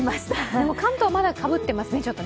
関東はまだちょっとかぶってますね？